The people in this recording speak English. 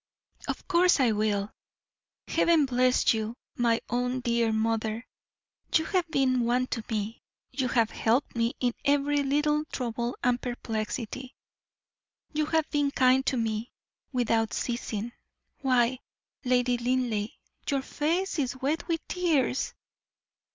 '" "Of course I will. Heaven bless you, my own dear mother; you have been one to me. You have helped me in every little trouble and perplexity; you have been kind to me, without ceasing. Why, Lady Linleigh, your face is wet with tears!"